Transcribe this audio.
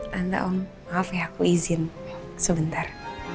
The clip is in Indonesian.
tanda om maaf ya aku izin sebentar